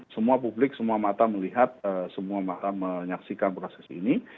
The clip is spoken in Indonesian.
semua publik semua mata melihat semua mata menyaksikan proses ini